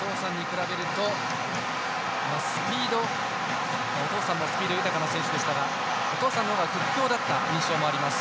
お父さんに比べるとスピード、お父さんもスピード豊かな選手でしたがお父さんのほうが屈強だった印象があります。